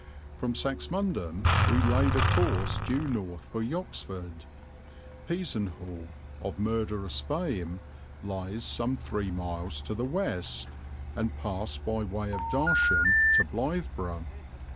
From Saxmundham we laid a course due north for Yoxford Peasenhall of murderous fame lies some three miles to the west and passed by way of Darsham to Blythburgh.